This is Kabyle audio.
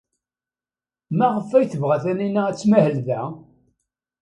Maɣef ay tebɣa Taninna ad tmahel da?